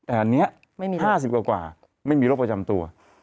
อันนี้๕๐กว่าไม่มีโรคประจำตัว